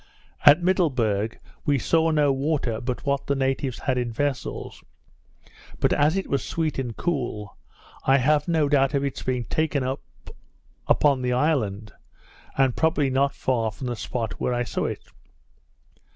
At Middleburg, we saw no water but what the natives had in vessels; but as it was sweet and cool, I had no doubt of its being taken up upon the island; and probably not far from the spot where I saw it.